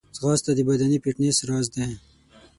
ځغاسته د بدني فټنس راز دی